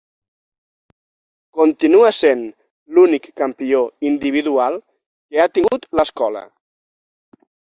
Continua sent l'únic campió individual que ha tingut l'escola.